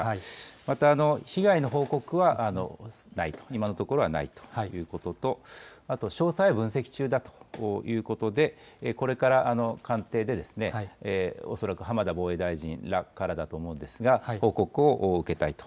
また、被害の報告はないと、今のところはないということと、あと詳細は分析中だということで、これから官邸で、恐らく浜田防衛大臣らからだと思うのですが、報告を受けたいと。